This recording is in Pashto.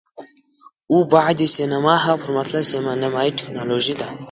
اووه بعدی سینما هغه پر مختللې سینمایي ټیکنالوژي ده،